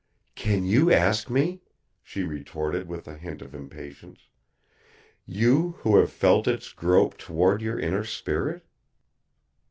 "Can you ask me?" she retorted with a hint of impatience. "You who have felt Its grope toward your inner spirit?"